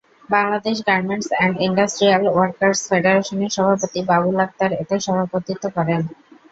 Bangladesh garments and industrial workers ফেডারেশনের সভাপতি বাবুল আখতার এতে সভাপতিত্ব করেন।